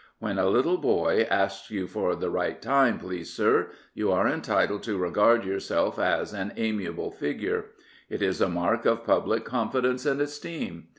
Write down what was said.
When a little boy asks you for the right time, please, sir," you are entitled to regard yourself as an amiable figure. It is a mark of public confidence and esteem.